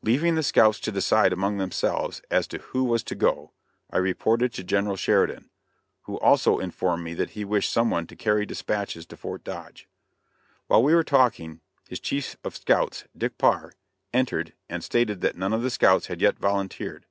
Leaving the scouts to decide among themselves as to who was to go, I reported to General Sheridan, who also informed me that he wished some one to carry dispatches to Fort Dodge. While we were talking, his chief of scouts Dick Parr, entered and stated that none of the scouts had yet volunteered.